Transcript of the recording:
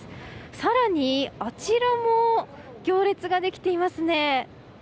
さらに、あちらも行列ができていますね。